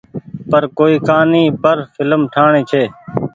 پر ڪوئي ڪهآني پر ڦلم ٺآڻي ڇي۔